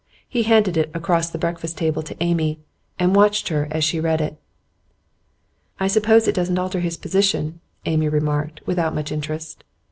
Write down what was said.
He handed it across the breakfast table to Amy, and watched her as she read it. 'I suppose it doesn't alter his position,' Amy remarked, without much interest.